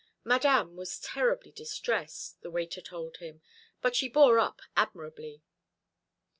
Madame was terribly distressed, the waiter told him, but she bore up admirably.